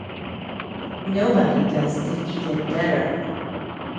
Nobody does defeated better.